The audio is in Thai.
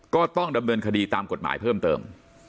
ก็ต้องดำเนินคดีตามกฎหมายเพิ่มเติม